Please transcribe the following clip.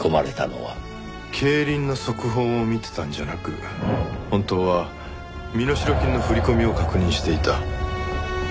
競輪の速報を見てたんじゃなく本当は身代金の振り込みを確認していた。